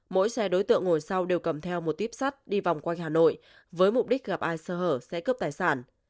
mỗi xe đối tượng ngồi sau đều cầm theo một tuyếp sắt đi vòng quanh hà nội với mục đích gặp ai sơ hở sẽ cướp tài sản